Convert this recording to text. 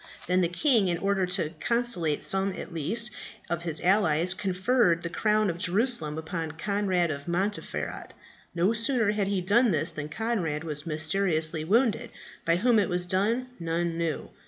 Then the king, in order to conciliate some at least of his allies, conferred the crown of Jerusalem upon Conrad of Montferat. No sooner had he done this than Conrad was mysteriously wounded. By whom it was done none knew.